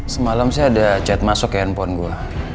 semalam saya ada chat masuk ke handphone gue